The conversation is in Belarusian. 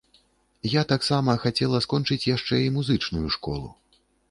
Я таксама хацела скончыць яшчэ і музычную школу.